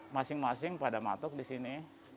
masing masing pada matok di sini